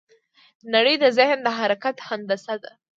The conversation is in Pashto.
نړۍ د ذهن د حرکت هندسه ده.